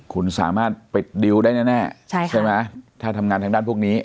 คุณสามารถปิดดิวได้แน่ใช่ไหมถ้าทำงานทางด้านพวกนี้